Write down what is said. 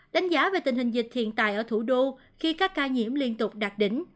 đánh giá về tình hình dịch thiện tài ở thủ đô khi các ca nhiễm liên tục đạt đỉnh